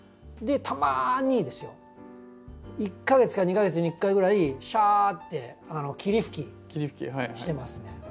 でたまにですよ１か月か２か月に１回ぐらいシャーって霧吹きしてますね。